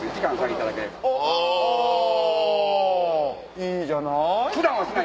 いいじゃない。